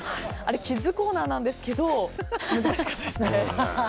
キッズコーナーなんですけど難しかったですね。